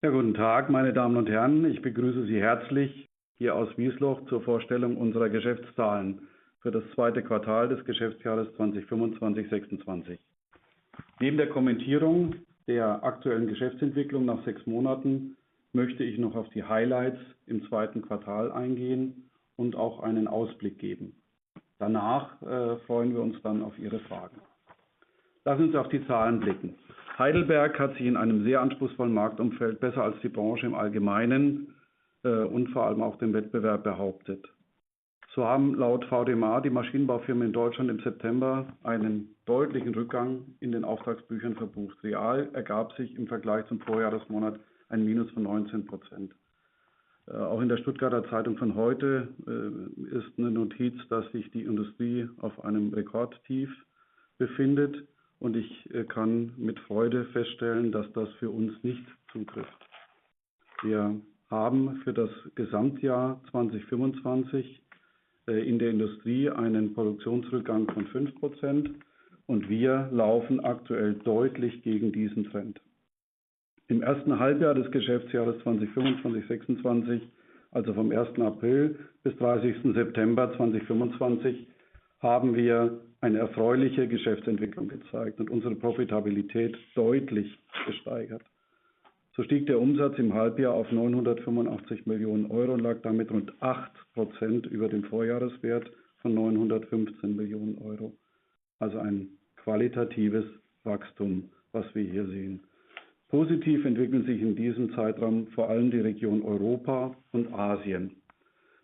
Ja, guten Tag, meine Damen und Herren, ich begrüße Sie herzlich hier aus Wiesloch zur Vorstellung unserer Geschäftszahlen für das zweite Quartal des Geschäftsjahres 2025/26. Neben der Kommentierung der aktuellen Geschäftsentwicklung nach sechs Monaten möchte ich noch auf die Highlights im zweiten Quartal eingehen und auch einen Ausblick geben. Danach freuen wir uns dann auf Ihre Fragen. Lassen Sie uns auf die Zahlen blicken. Heidelberg hat sich in einem sehr anspruchsvollen Marktumfeld besser als die Branche im Allgemeinen und vor allem auch dem Wettbewerb behauptet. So haben laut VDMA die Maschinenbaufirmen in Deutschland im September einen deutlichen Rückgang in den Auftragsbüchern verbucht. Real ergab sich im Vergleich zum Vorjahresmonat ein Minus von 19%. Auch in der Stuttgarter Zeitung von heute ist eine Notiz, dass sich die Industrie auf einem Rekordtief befindet, und ich kann mit Freude feststellen, dass das für uns nicht zutrifft. Wir haben für das Gesamtjahr 2025 in der Industrie einen Produktionsrückgang von 5%, und wir laufen aktuell deutlich gegen diesen Trend. Im ersten Halbjahr des Geschäftsjahres 2025/26, also vom ersten April bis dreißigsten September 2025, haben wir eine erfreuliche Geschäftsentwicklung gezeigt und unsere Profitabilität deutlich gesteigert. So stieg der Umsatz im Halbjahr auf €985 Millionen und lag damit rund 8% über dem Vorjahreswert von €915 Millionen. Also ein qualitatives Wachstum, was wir hier sehen. Positiv entwickeln sich in diesem Zeitraum vor allem die Region Europa und Asien.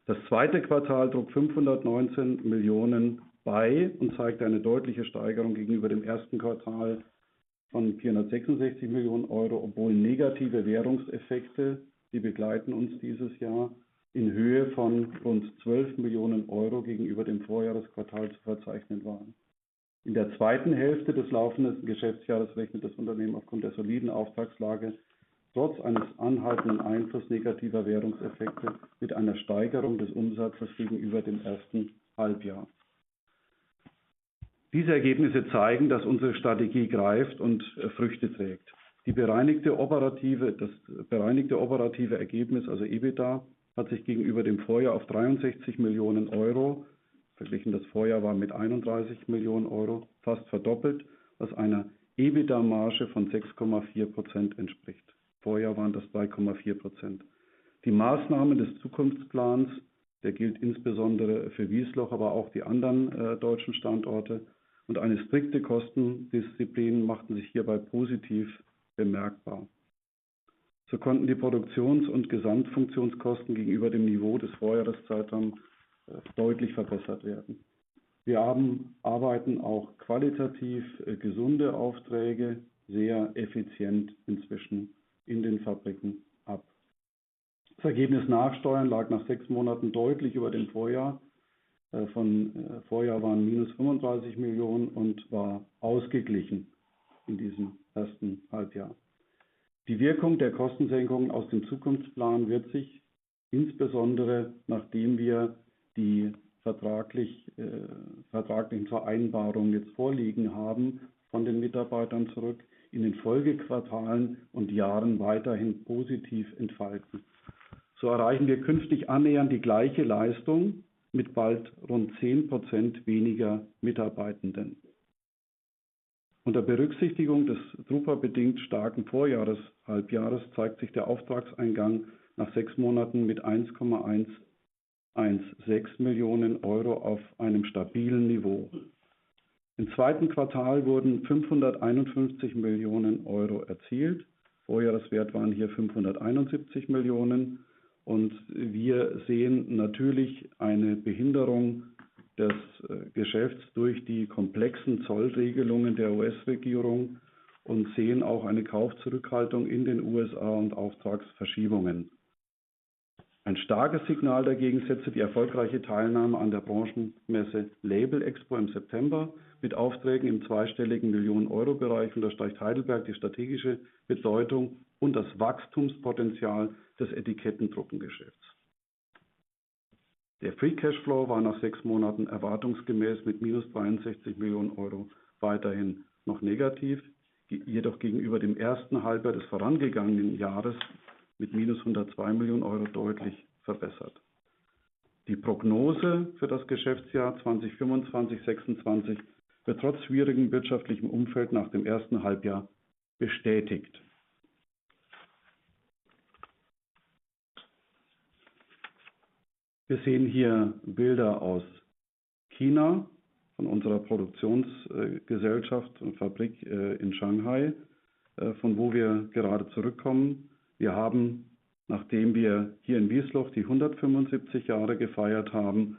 Das zweite Quartal trug €519 Millionen bei und zeigte eine deutliche Steigerung gegenüber dem ersten Quartal von €466 Millionen, obwohl negative Währungseffekte, die begleiten uns dieses Jahr, in Höhe von rund €12 Millionen gegenüber dem Vorjahresquartal zu verzeichnen waren. In der zweiten Hälfte des laufenden Geschäftsjahres rechnet das Unternehmen aufgrund der soliden Auftragslage trotz eines anhaltenden Einflusses negativer Währungseffekte mit einer Steigerung des Umsatzes gegenüber dem ersten Halbjahr. Diese Ergebnisse zeigen, dass unsere Strategie greift und Früchte trägt. Das bereinigte operative Ergebnis, also EBITDA, hat sich gegenüber dem Vorjahr auf €63 Millionen, verglichen mit dem Vorjahr mit €31 Millionen, fast verdoppelt, was einer EBITDA-Marge von 6,4% entspricht. Im Vorjahr waren das 3,4%. Die Maßnahmen des Zukunftsplans, der gilt insbesondere für Wiesloch, aber auch die anderen deutschen Standorte, und eine strikte Kostendisziplin machten sich hierbei positiv bemerkbar. So konnten die Produktions- und Gesamtfunktionskosten gegenüber dem Niveau des Vorjahreszeitraums deutlich verbessert werden. Wir arbeiten auch qualitativ gesunde Aufträge sehr effizient inzwischen in den Fabriken ab. Das Ergebnis nach Steuern lag nach sechs Monaten deutlich über dem Vorjahr von minus €35 Millionen und war ausgeglichen in diesem ersten Halbjahr. Die Wirkung der Kostensenkung aus dem Zukunftsplan wird sich insbesondere, nachdem wir die vertraglichen Vereinbarungen jetzt vorliegen haben, von den Mitarbeitern zurück in den Folgequartalen und Jahren weiterhin positiv entfalten. So erreichen wir künftig annähernd die gleiche Leistung mit bald rund 10% weniger Mitarbeitenden. Unter Berücksichtigung des gruppenbedingt starken Vorjahreshalbjahres zeigt sich der Auftragseingang nach sechs Monaten mit €1,116 Millionen auf einem stabilen Niveau. Im zweiten Quartal wurden €551 Millionen erzielt, Vorjahreswert waren hier €571 Millionen, und wir sehen natürlich eine Behinderung des Geschäfts durch die komplexen Zollregelungen der US-Regierung und sehen auch eine Kaufzurückhaltung in den USA und Auftragsverschiebungen. Ein starkes Signal dagegen setzte die erfolgreiche Teilnahme an der Branchenmesse Labelexpo im September mit Aufträgen im zweistelligen Millionen-Euro-Bereich, und das zeigt Heidelberg die strategische Bedeutung und das Wachstumspotenzial des Etikettendruckgeschäfts. Der Free Cashflow war nach sechs Monaten erwartungsgemäß mit minus €63 Millionen weiterhin noch negativ, jedoch gegenüber dem ersten Halbjahr des vorangegangenen Jahres mit minus €102 Millionen deutlich verbessert. Die Prognose für das Geschäftsjahr 2025/26 wird trotz schwierigem wirtschaftlichem Umfeld nach dem ersten Halbjahr bestätigt. Wir sehen hier Bilder aus China von unserer Produktionsgesellschaft und Fabrik in Shanghai, von wo wir gerade zurückkommen. Wir haben, nachdem wir hier in Wiesloch die 175 Jahre gefeiert haben,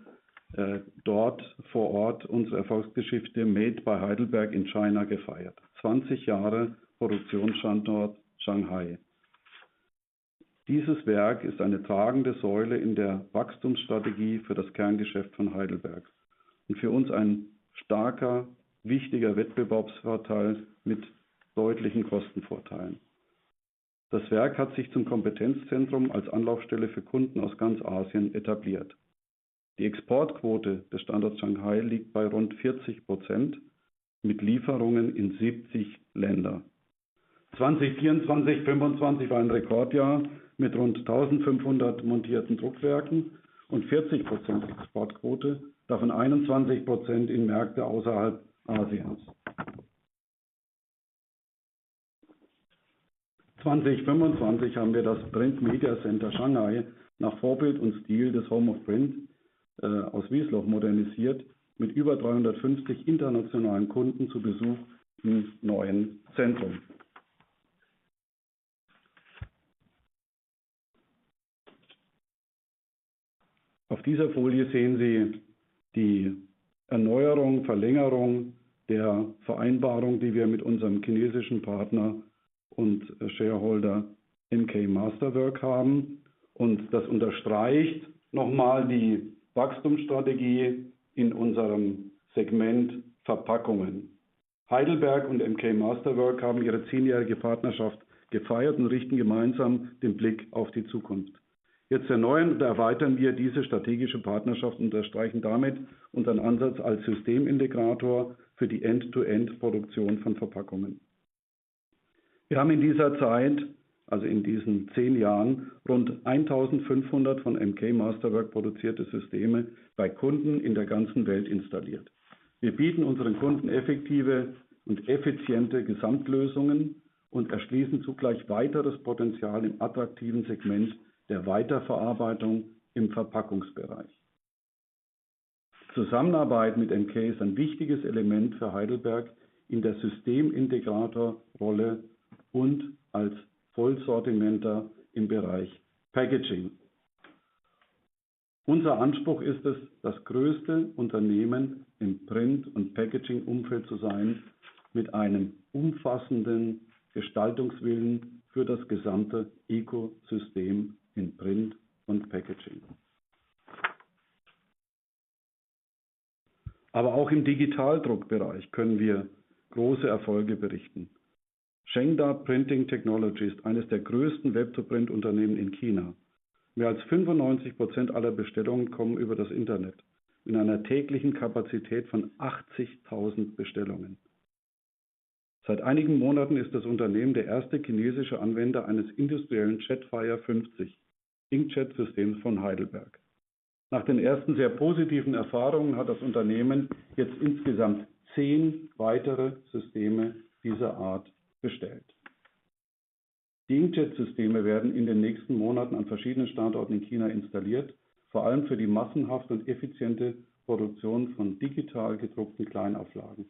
dort vor Ort unsere Erfolgsgeschichte "Made by Heidelberg in China" gefeiert. Zwanzig Jahre Produktionsstandort Shanghai. Dieses Werk ist eine tragende Säule in der Wachstumsstrategie für das Kerngeschäft von Heidelberg und für uns ein starker, wichtiger Wettbewerbsvorteil mit deutlichen Kostenvorteilen. Das Werk hat sich zum Kompetenzzentrum als Anlaufstelle für Kunden aus ganz Asien etabliert. Die Exportquote des Standorts Shanghai liegt bei rund 40% mit Lieferungen in 70 Länder. 2024/25 war ein Rekordjahr mit rund 1.500 montierten Druckwerken und 40% Exportquote, davon 21% in Märkte außerhalb Asiens. 2025 haben wir das Print Media Center Shanghai nach Vorbild und Stil des Home of Print aus Wiesloch modernisiert, mit über 350 internationalen Kunden zu Besuch im neuen Zentrum. Auf dieser Folie sehen Sie die Erneuerung, Verlängerung der Vereinbarung, die wir mit unserem chinesischen Partner und Shareholder MK Masterwork haben, und das unterstreicht nochmal die Wachstumsstrategie in unserem Segment Verpackungen. Heidelberg und MK Masterwork haben ihre zehnjährige Partnerschaft gefeiert und richten gemeinsam den Blick auf die Zukunft. Jetzt erneuern und erweitern wir diese strategische Partnerschaft und unterstreichen damit unseren Ansatz als Systemintegrator für die End-to-End-Produktion von Verpackungen. Wir haben in dieser Zeit, also in diesen zehn Jahren, rund 1.500 von MK Masterwork produzierte Systeme bei Kunden in der ganzen Welt installiert. Wir bieten unseren Kunden effektive und effiziente Gesamtlösungen und erschließen zugleich weiteres Potenzial im attraktiven Segment der Weiterverarbeitung im Verpackungsbereich. Die Zusammenarbeit mit MK ist ein wichtiges Element für Heidelberg in der Systemintegrator-Rolle und als Vollsortimenter im Bereich Packaging. Unser Anspruch ist es, das größte Unternehmen im Print- und Packaging-Umfeld zu sein, mit einem umfassenden Gestaltungswillen für das gesamte Eco-System in Print und Packaging. Aber auch im Digitaldruckbereich können wir große Erfolge berichten. Shengda Printing Technologies ist eines der größten Web-to-Print-Unternehmen in China. Mehr als 95% aller Bestellungen kommen über das Internet, mit einer täglichen Kapazität von 80.000 Bestellungen. Seit einigen Monaten ist das Unternehmen der erste chinesische Anwender eines industriellen Jetfire 50 Inkjet-Systems von Heidelberg. Nach den ersten sehr positiven Erfahrungen hat das Unternehmen jetzt insgesamt zehn weitere Systeme dieser Art bestellt. Die Inkjet-Systeme werden in den nächsten Monaten an verschiedenen Standorten in China installiert, vor allem für die massenhafte und effiziente Produktion von digital gedruckten Kleinauflagen.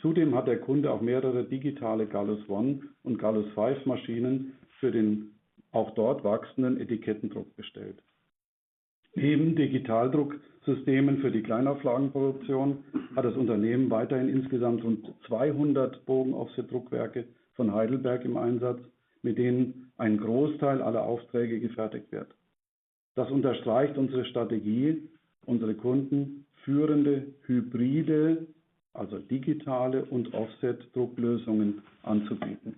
Zudem hat der Kunde auch mehrere digitale Gallus One und Gallus Five-Maschinen für den auch dort wachsenden Etikettendruck bestellt. Neben Digitaldrucksystemen für die Kleinauflagenproduktion hat das Unternehmen weiterhin insgesamt rund 200 Bogen-Offset-Druckwerke von Heidelberg im Einsatz, mit denen ein Großteil aller Aufträge gefertigt wird. Das unterstreicht unsere Strategie, unsere Kunden führende hybride, also digitale und Offset-Drucklösungen anzubieten.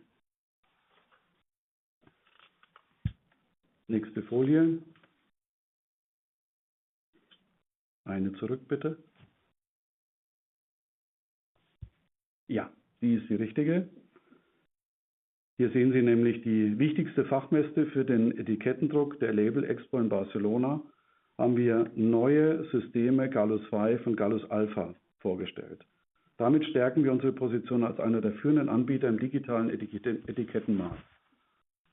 Hier sehen Sie nämlich die wichtigste Fachmesse für den Etikettendruck. Auf der Labelexpo in Barcelona haben wir neue Systeme Gallus Five und Gallus Alpha vorgestellt. Damit stärken wir unsere Position als einer der führenden Anbieter im digitalen Etikettenmarkt.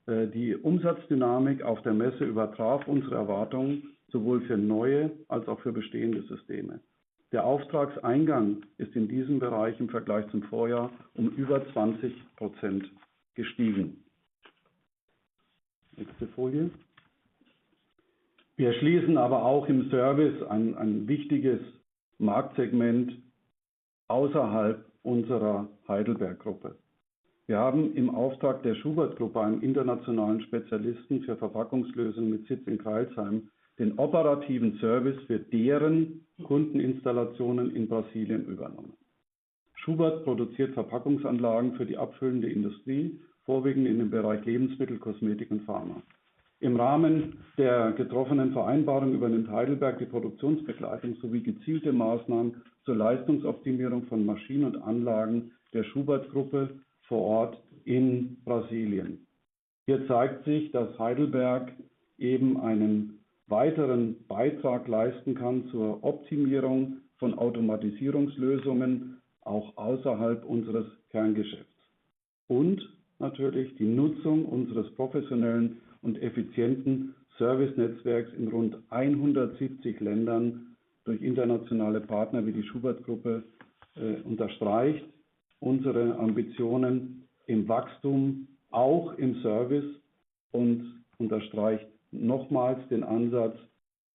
Die Umsatzdynamik auf der Messe übertraf unsere Erwartungen, sowohl für neue als auch für bestehende Systeme. Der Auftragseingang ist in diesem Bereich im Vergleich zum Vorjahr über 20% gestiegen. Nächste Folie. Wir erschließen aber auch im Service ein wichtiges Marktsegment außerhalb unserer Heidelberg-Gruppe. Wir haben im Auftrag der Schubert-Gruppe, einem internationalen Spezialisten für Verpackungslösungen mit Sitz in Crailsheim, den operativen Service für deren Kundeninstallationen in Brasilien übernommen. Schubert produziert Verpackungsanlagen für die abfüllende Industrie, vorwiegend in den Bereichen Lebensmittel, Kosmetik und Pharma. Im Rahmen der getroffenen Vereinbarung übernimmt Heidelberg die Produktionsbegleitung sowie gezielte Maßnahmen zur Leistungsoptimierung von Maschinen und Anlagen der Schubert-Gruppe vor Ort in Brasilien. Hier zeigt sich, dass Heidelberg eben einen weiteren Beitrag leisten kann zur Optimierung von Automatisierungslösungen auch außerhalb unseres Kerngeschäfts. Und natürlich die Nutzung unseres professionellen und effizienten Servicenetzwerks in rund 170 Ländern durch internationale Partner wie die Schubert-Gruppe unterstreicht unsere Ambitionen im Wachstum, auch im Service, und unterstreicht nochmals den Ansatz,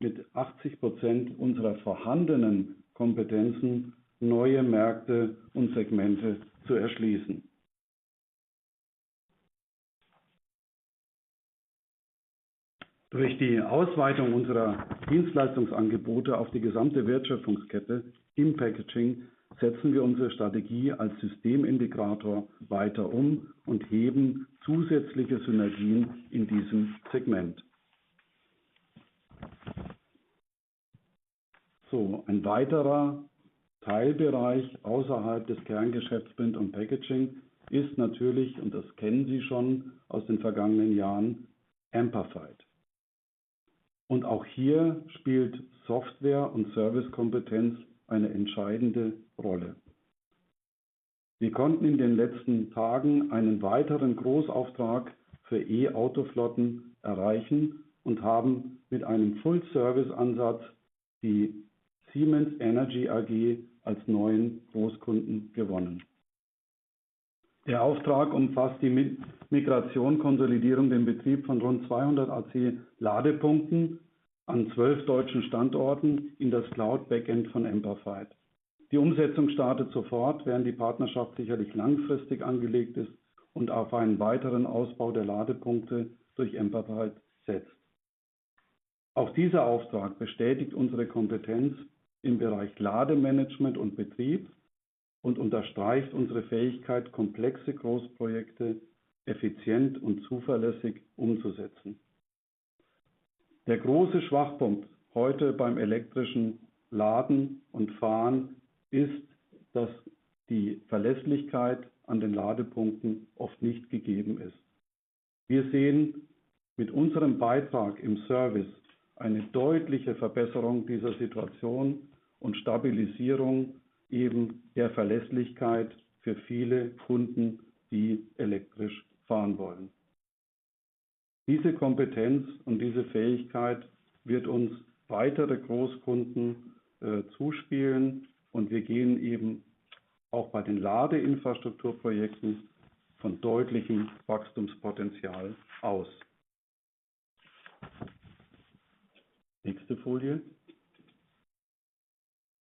mit 80% unserer vorhandenen Kompetenzen neue Märkte und Segmente zu erschließen. Durch die Ausweitung unserer Dienstleistungsangebote auf die gesamte Wertschöpfungskette im Packaging setzen wir unsere Strategie als Systemintegrator weiter und heben zusätzliche Synergien in diesem Segment. Ein weiterer Teilbereich außerhalb des Kerngeschäfts Print und Packaging ist natürlich, und das kennen Sie schon aus den vergangenen Jahren, Amperfied. Auch hier spielt Software- und Service-Kompetenz eine entscheidende Rolle. Wir konnten in den letzten Tagen einen weiteren Großauftrag für E-Autoflotten erreichen und haben mit einem Full-Service-Ansatz die Siemens Energy AG als neuen Großkunden gewonnen. Der Auftrag umfasst die Migration, Konsolidierung im Betrieb von rund 200 AC-Ladepunkten an zwölf deutschen Standorten in das Cloud-Backend von Amperfied. Die Umsetzung startet sofort, während die Partnerschaft sicherlich langfristig angelegt ist und auf einen weiteren Ausbau der Ladepunkte durch Amperfied setzt. Auch dieser Auftrag bestätigt unsere Kompetenz im Bereich Lademanagement und Betrieb und unterstreicht unsere Fähigkeit, komplexe Großprojekte effizient und zuverlässig umzusetzen. Der große Schwachpunkt heute beim elektrischen Laden und Fahren ist, dass die Verlässlichkeit an den Ladepunkten oft nicht gegeben ist. Wir sehen mit unserem Beitrag im Service eine deutliche Verbesserung dieser Situation und Stabilisierung eben der Verlässlichkeit für viele Kunden, die elektrisch fahren wollen. Diese Kompetenz und diese Fähigkeit wird uns weitere Großkunden zuspielen und wir gehen eben auch bei den Ladeinfrastrukturprojekten von deutlichem Wachstumspotenzial aus. Nächste Folie.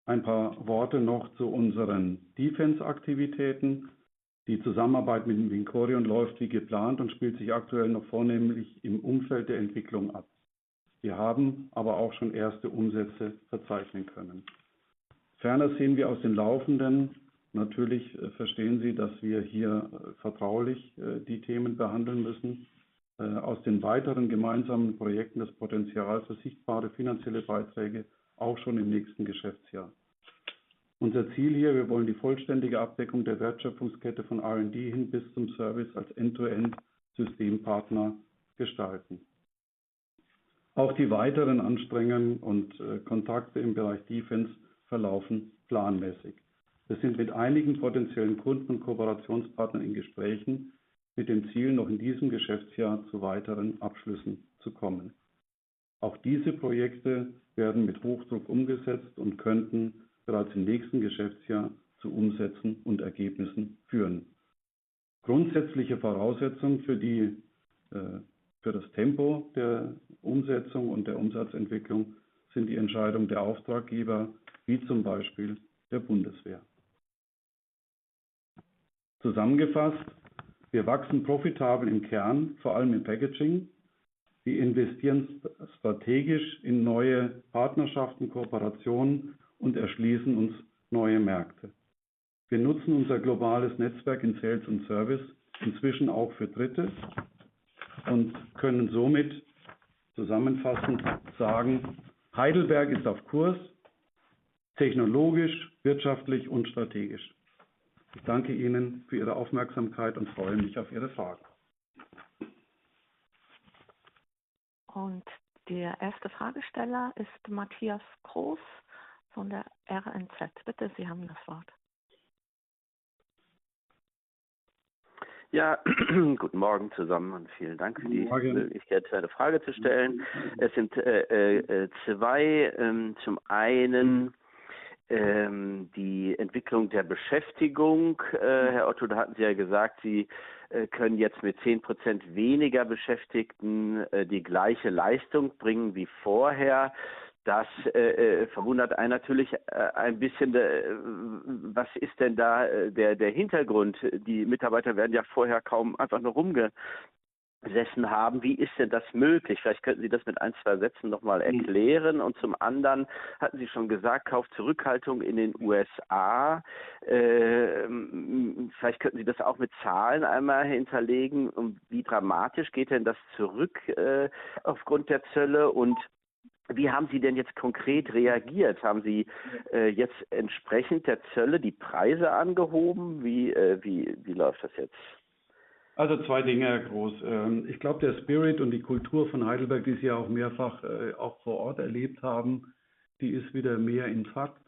Ein paar Worte noch zu unseren Defense-Aktivitäten. Die Zusammenarbeit mit Vincorion läuft wie geplant und spielt sich aktuell noch vornehmlich im Umfeld der Entwicklung ab. Wir haben aber auch schon erste Umsätze verzeichnen können. Ferner sehen wir aus den laufenden - natürlich verstehen Sie, dass wir hier vertraulich die Themen behandeln müssen - aus den weiteren gemeinsamen Projekten das Potenzial für sichtbare finanzielle Beiträge auch schon im nächsten Geschäftsjahr. Unser Ziel hier: Wir wollen die vollständige Abdeckung der Wertschöpfungskette von R&D hin bis zum Service als End-to-End-Systempartner gestalten. Auch die weiteren Anstrengungen und Kontakte im Bereich Defense verlaufen planmäßig. Wir sind mit einigen potenziellen Kunden und Kooperationspartnern in Gesprächen, mit dem Ziel, noch in diesem Geschäftsjahr zu weiteren Abschlüssen zu kommen. Auch diese Projekte werden mit Hochdruck umgesetzt und könnten bereits im nächsten Geschäftsjahr zu Umsätzen und Ergebnissen führen. Grundsätzliche Voraussetzung für das Tempo der Umsetzung und der Umsatzentwicklung sind die Entscheidungen der Auftraggeber, wie zum Beispiel der Bundeswehr. Zusammengefasst: Wir wachsen profitabel im Kern, vor allem im Packaging. Wir investieren strategisch in neue Partnerschaften, Kooperationen und erschließen uns neue Märkte. Wir nutzen unser globales Netzwerk in Sales und Service inzwischen auch für Dritte und können somit zusammenfassend sagen: Heidelberg ist auf Kurs, technologisch, wirtschaftlich und strategisch. Ich danke Ihnen für Ihre Aufmerksamkeit und freue mich auf Ihre Fragen. Der erste Fragesteller ist Matthias Groß von der RNZ. Bitte, Sie haben das Wort. Ja, guten Morgen zusammen und vielen Dank für die Möglichkeit, Ihre Frage zu stellen. Es sind zwei, zum einen die Entwicklung der Beschäftigung. Herr Otto, da hatten Sie ja gesagt, Sie können jetzt mit 10% weniger Beschäftigten die gleiche Leistung bringen wie vorher. Das verwundert einen natürlich ein bisschen. Was ist denn da der Hintergrund? Die Mitarbeiter werden ja vorher kaum einfach nur rumgesessen haben. Wie ist denn das möglich? Vielleicht könnten Sie das mit ein, zwei Sätzen nochmal erklären. Und zum anderen hatten Sie schon gesagt, Kaufzurückhaltung in den USA. Vielleicht könnten Sie das auch mit Zahlen einmal hinterlegen. Und wie dramatisch geht denn das zurück aufgrund der Zölle? Und wie haben Sie denn jetzt konkret reagiert? Haben Sie jetzt entsprechend der Zölle die Preise angehoben? Wie läuft das jetzt? Also zwei Dinge, Herr Groß. Ich glaube, der Spirit und die Kultur von Heidelberg, die Sie ja auch mehrfach auch vor Ort erlebt haben, die ist wieder mehr in Fakt.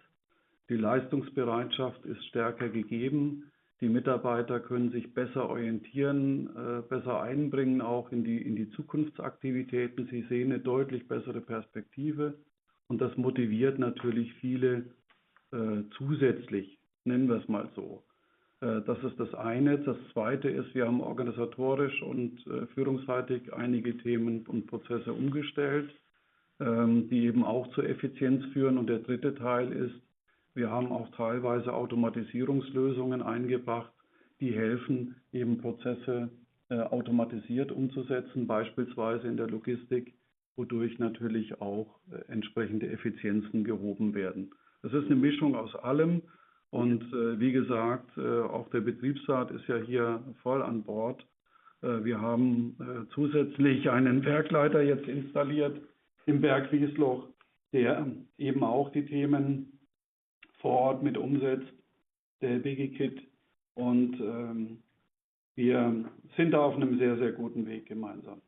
Die Leistungsbereitschaft ist stärker gegeben. Die Mitarbeiter können sich besser orientieren, besser einbringen, auch in die Zukunftsaktivitäten. Sie sehen eine deutlich bessere Perspektive. Und das motiviert natürlich viele zusätzlich, nennen wir es mal so. Das ist das eine. Das zweite ist, wir haben organisatorisch und führungshaltig einige Themen und Prozesse umgestellt, die eben auch zu Effizienz führen. Und der dritte Teil ist, wir haben auch teilweise Automatisierungslösungen eingebracht, die helfen, eben Prozesse automatisiert umzusetzen, beispielsweise in der Logistik, wodurch natürlich auch entsprechende Effizienzen gehoben werden. Das ist eine Mischung aus allem. Und wie gesagt, auch der Betriebsrat ist ja hier voll an Bord. Wir haben zusätzlich einen Werkleiter jetzt installiert im Werk Wiesloch, der eben auch die Themen vor Ort mit umsetzt, der Wicki. Und wir sind da auf einem sehr, sehr guten Weg gemeinsam.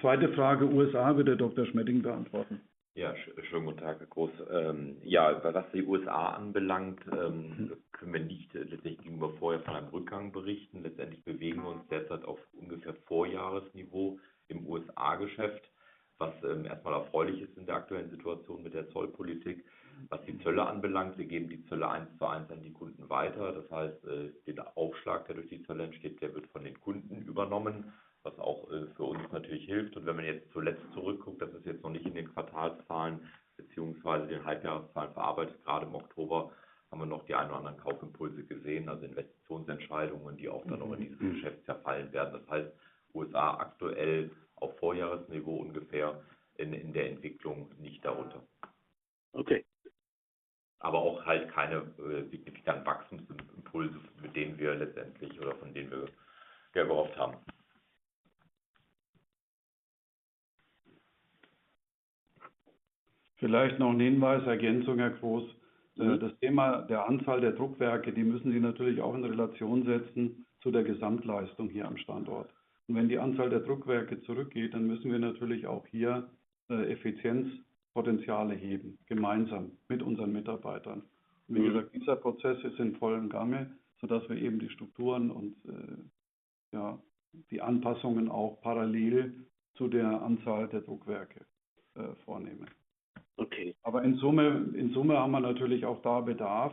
Zweite Frage, USA, wird der Doktor Schmedding beantworten. Ja, schönen guten Tag, Herr Groß. Was die USA anbelangt, können wir nicht tatsächlich gegenüber vorher von einem Rückgang berichten. Letztendlich bewegen wir uns derzeit auf ungefähr Vorjahresniveau im USA-Geschäft, was erstmal erfreulich ist in der aktuellen Situation mit der Zollpolitik. Was die Zölle anbelangt, wir geben die Zölle eins zu eins an die Kunden weiter. Das heißt, den Aufschlag, der durch die Zölle entsteht, der wird von den Kunden übernommen, was auch für uns natürlich hilft. Wenn man jetzt zuletzt zurückguckt, das ist jetzt noch nicht in den Quartalszahlen beziehungsweise den Halbjahreszahlen verarbeitet, gerade im Oktober haben wir noch die einen oder anderen Kaufimpulse gesehen, also Investitionsentscheidungen, die auch dann noch in diesem Geschäftsjahr fallen werden. Das heißt, USA aktuell auf Vorjahresniveau ungefähr in der Entwicklung, nicht darunter. Okay. Aber auch halt keine signifikanten Wachstumsimpulse, mit denen wir letztendlich oder von denen wir gerne gehofft haben. Vielleicht noch ein Hinweis, Ergänzung, Herr Groß. Das Thema der Anzahl der Druckwerke, die müssen Sie natürlich auch in Relation setzen zu der Gesamtleistung hier am Standort. Und wenn die Anzahl der Druckwerke zurückgeht, dann müssen wir natürlich auch hier Effizienzpotenziale heben, gemeinsam mit unseren Mitarbeitern. Und wie gesagt, dieser Prozess ist in vollem Gange, sodass wir eben die Strukturen und, ja, die Anpassungen auch parallel zu der Anzahl der Druckwerke vornehmen. Okay. In Summe, in Summe haben wir natürlich auch da Bedarf.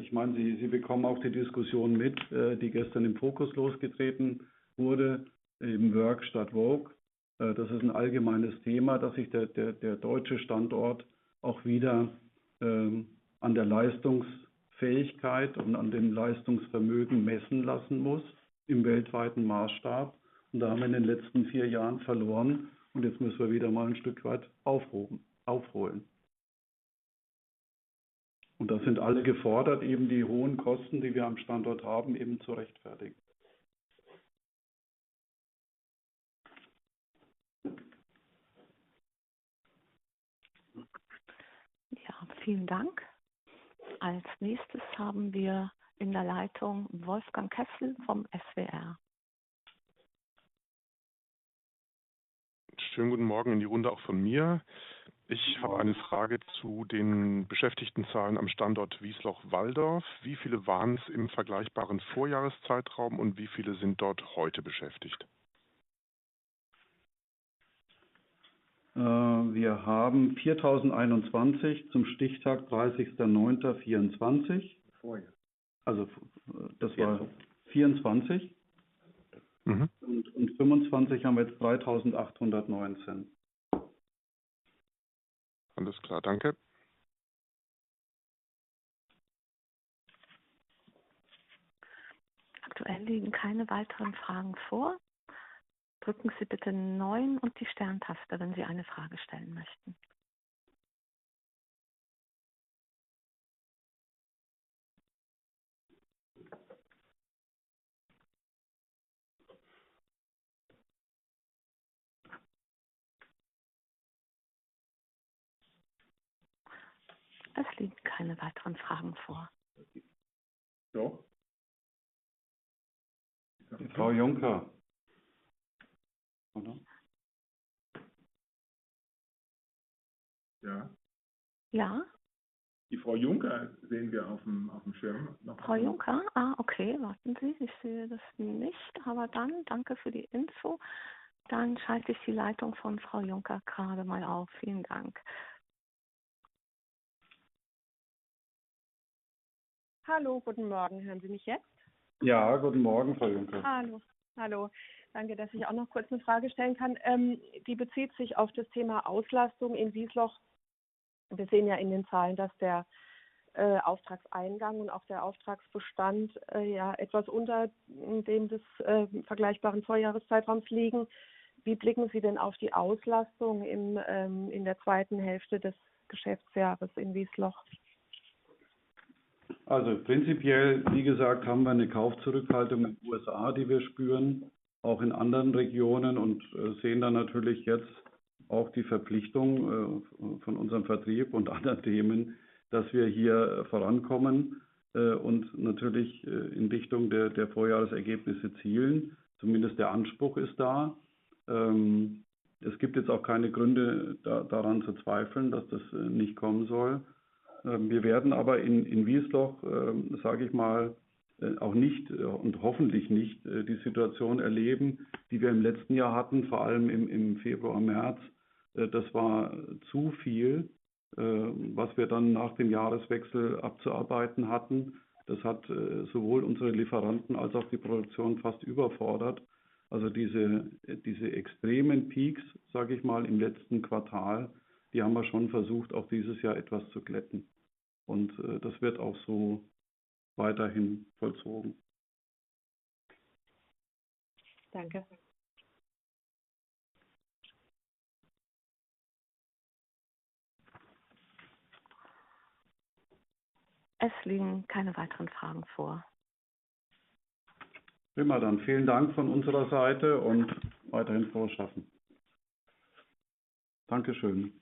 Ich meine, Sie bekommen auch die Diskussion mit, die gestern im FOCUS losgetreten wurde, eben Work statt Woke. Das ist ein allgemeines Thema, dass sich der deutsche Standort auch wieder an der Leistungsfähigkeit und an dem Leistungsvermögen messen lassen muss im weltweiten Maßstab. Und da haben wir in den letzten vier Jahren verloren und jetzt müssen wir wieder mal ein Stück weit aufholen. Und das sind alle gefordert, eben die hohen Kosten, die wir am Standort haben, eben zu rechtfertigen. Ja, vielen Dank. Als nächstes haben wir in der Leitung Wolfgang Kessel vom SWR. Schönen guten Morgen in die Runde auch von mir. Ich habe eine Frage zu den Beschäftigtenzahlen am Standort Wiesloch-Walldorf. Wie viele waren es im vergleichbaren Vorjahreszeitraum und wie viele sind dort heute beschäftigt? Wir haben 4.021 zum Stichtag 30.09.24. Also das war 24. Und 25 haben wir jetzt 3.819. Alles klar, danke. Aktuell liegen keine weiteren Fragen vor. Drücken Sie bitte neun und die Sterntaste, wenn Sie eine Frage stellen möchten. Es liegen keine weiteren Fragen vor. So. Die Frau Juncker. Hallo? Ja? Ja? Die Frau Juncker sehen wir auf dem Schirm. Frau Juncker? Okay, warten Sie, ich sehe das nicht. Aber danke, danke für die Info. Dann schalte ich die Leitung von Frau Juncker gerade mal auf. Vielen Dank. Hallo, guten Morgen. Hören Sie mich jetzt? Ja, guten Morgen, Frau Juncker. Hallo, hallo. Danke, dass ich auch noch kurz eine Frage stellen kann. Die bezieht sich auf das Thema Auslastung in Wiesloch. Wir sehen ja in den Zahlen, dass der Auftragseingang und auch der Auftragsbestand ja etwas unter dem des vergleichbaren Vorjahreszeitraums liegen. Wie blicken Sie denn auf die Auslastung in der zweiten Hälfte des Geschäftsjahres in Wiesloch? Also prinzipiell, wie gesagt, haben wir eine Kaufzurückhaltung in den USA, die wir spüren, auch in anderen Regionen und sehen da natürlich jetzt auch die Verpflichtung von unserem Vertrieb und anderen Themen, dass wir hier vorankommen und natürlich in Richtung der Vorjahresergebnisse zielen. Zumindest der Anspruch ist da. Es gibt jetzt auch keine Gründe daran zu zweifeln, dass das nicht kommen soll. Wir werden aber in Wiesloch, sage ich mal, auch nicht und hoffentlich nicht die Situation erleben, die wir im letzten Jahr hatten, vor allem im Februar, März. Das war zu viel, was wir dann nach dem Jahreswechsel abzuarbeiten hatten. Das hat sowohl unsere Lieferanten als auch die Produktion fast überfordert. Also diese extremen Peaks, sage ich mal, im letzten Quartal, die haben wir schon versucht, auch dieses Jahr etwas zu glätten. Und das wird auch so weiterhin vollzogen. Danke. Es liegen keine weiteren Fragen vor. Prima, dann vielen Dank von unserer Seite und weiterhin frohes Schaffen. Dankeschön.